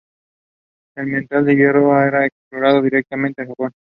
El metal de hierro era exportado directamente a Japón.